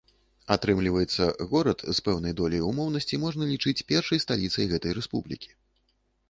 Атрымліваецца, горад з пэўнай доляй умоўнасці можна лічыць першай сталіцай гэтай рэспублікі.